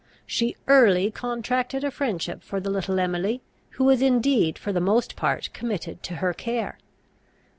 She early contracted a friendship for the little Emily, who was indeed for the most part committed to her care.